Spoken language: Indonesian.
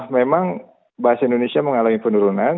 memang bahasa indonesia mengalami penurunan